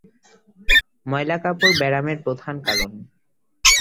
ময়লা কাপড় ব্যারামের প্রধান কারণ।